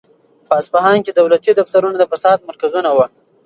په اصفهان کې دولتي دفترونه د فساد مرکزونه وو.